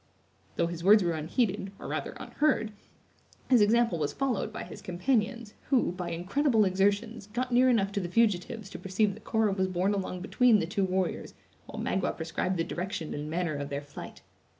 Though his words were unheeded, or rather unheard, his example was followed by his companions, who, by incredible exertions, got near enough to the fugitives to perceive that Cora was borne along between the two warriors while Magua prescribed the direction and manner of their flight.